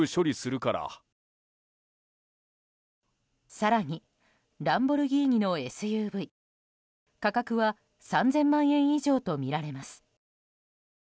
更に、ランボルギーニのＳＵＶ価格は３０００万円以上とみられます。